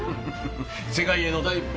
世界への第一歩。